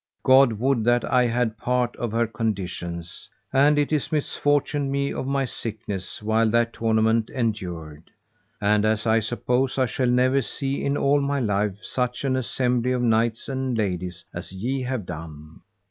God would that I had part of her conditions; and it is misfortuned me of my sickness while that tournament endured. And as I suppose I shall never see in all my life such an assembly of knights and ladies as ye have done.